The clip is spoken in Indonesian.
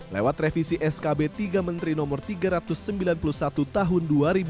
lewat revisi skb tiga menteri no tiga ratus sembilan puluh satu tahun dua ribu dua puluh